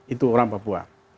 itu orang papua